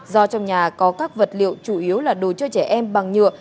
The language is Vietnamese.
do trong nhà có các vật liệu chủ yếu là đồ chơi trẻ em bằng nhựa